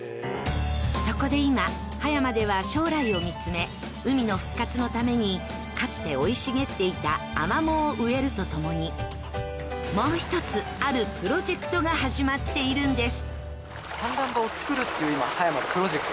そこで今、葉山では将来を見つめ海の復活のために、かつて生い茂っていたアマモを植えるとともにもう一つあるプロジェクトが始まっているんです。